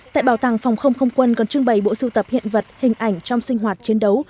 tại bảo tàng phòng không không quân còn trưng bày bộ sưu tập hiện vật hình ảnh trong sinh hoạt chiến đấu